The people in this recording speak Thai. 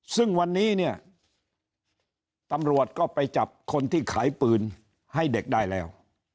ซึ่งวันนี้เนี่ยตำรวจก็ไปจับคนที่ขายปืนให้เด็กได้แล้ว